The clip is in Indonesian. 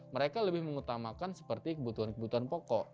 mereka lebih mengutamakan seperti kebutuhan kebutuhan pokok